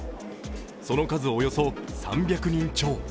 その数およそ３００人超。